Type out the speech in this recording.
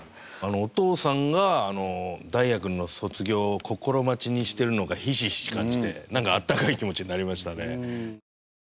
お父さんが大也君の卒業を心待ちにしているのがひしひし感じてなんかあったかい気持ちになりましたね。